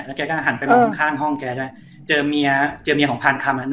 แกก็หันไปมองข้างห้องแกได้เจอเมียเจอเมียของพานคำอ่ะ